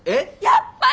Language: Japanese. やっぱり！